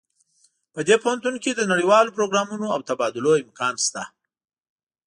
په دې پوهنتون کې د نړیوالو پروګرامونو او تبادلو امکان شته